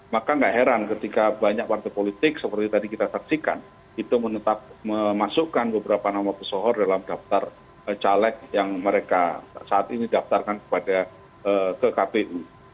maka gak heran ketika banyak partai politik seperti tadi kita saksikan itu menetap memasukkan beberapa nama pesohor dalam daftar caleg yang mereka saat ini daftarkan kepada ke kpu